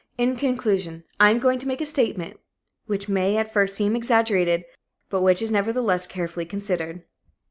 In conclusion, I am going to make a statement which may at first seem exaggerated, but which is, nevertheless, carefully considered.